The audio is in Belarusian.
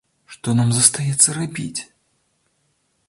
Што нам застаецца рабіць?